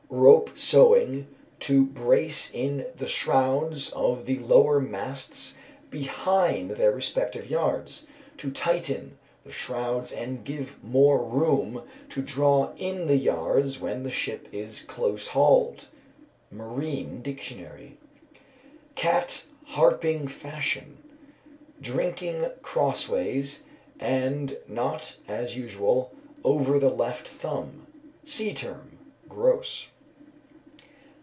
_ "Rope sewing to brace in the shrouds of the lower masts behind their respective yards, to tighten the shrouds and give more room to draw in the yards when the ship is close hauled." Marine Dictionary. Cat harping fashion. Drinking crossways, and not as usual, over the left thumb. Sea term. GROSE.